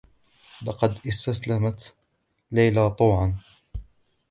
لقد استسلمت ليلى طوعا.